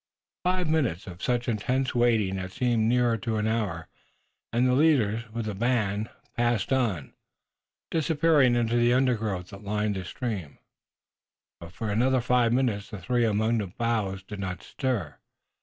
Five minutes of such intense waiting that seemed nearer to an hour, and the leaders, with the band, passed on, disappearing in the undergrowth that lined the stream. But for another five minutes the three among the boughs did not stir.